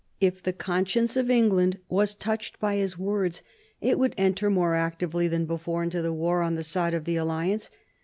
If the conscience of England was touched by his words, it would enter more actively than before into the war on the side of the alliance.